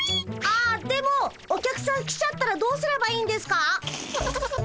ああでもお客さん来ちゃったらどうすればいいんですか？